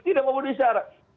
tidak memudih syarat